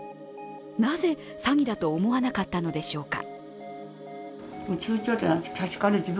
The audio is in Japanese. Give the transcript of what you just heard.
なぜ、詐欺だと思わなかったのでしょうか。